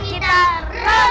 aku tak strike